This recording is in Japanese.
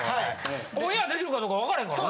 オンエアできるかどうかわからへんからな。